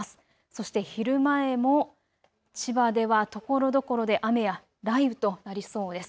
そして昼前も千葉ではところどころで雨や雷雨となりそうです。